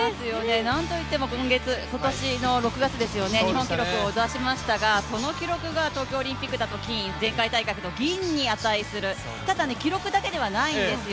なんといっても今年の６月、日本記録を出しましたがその記録が東京オリンピックだと金前回大会だと銀に値する、ただね、記録だけではないんですよ。